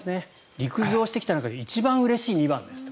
陸上してきた中で一番うれしい２番ですと。